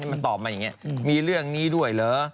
มันตอบมาอย่างนี้มีเรื่องนี้ด้วยเหรอ